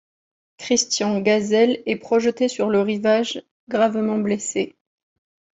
Christian Gazel est projeté sur le rivage, gravement blessé.